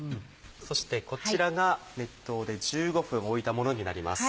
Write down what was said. そしてこちらが熱湯で１５分おいたものになります。